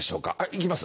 行きます？